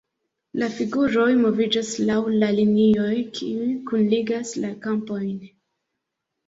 La figuroj moviĝas laŭ la linioj, kiuj kunligas la kampojn.